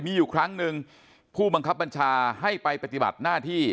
มีอยู่ครั้งหนึ่งผู้บังคับบัญชาให้ไปปฏิบัติหน้าที่